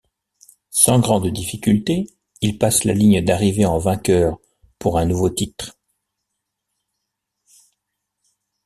Sans grande difficulté, il passe la ligne d'arrivée en vainqueur pour un nouveau titre.